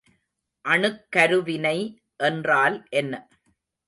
அணுக்கருவினை என்றால் என்ன?